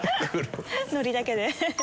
ノリだけで。